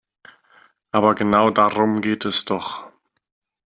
Aber genau darum geht es doch.